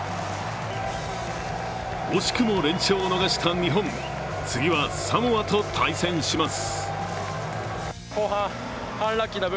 惜しくも連勝を逃した日本、次はサモアと対戦します。